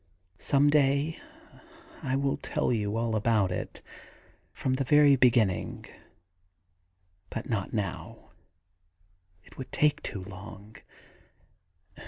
Some day I will tell you all about it, from the very beginning, but not now. It would take too long.